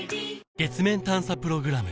月面探査プログラム